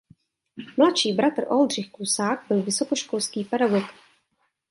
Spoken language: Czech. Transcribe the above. Mladší bratr Oldřich Klusák byl vysokoškolský pedagog.